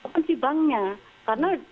ke banknya karena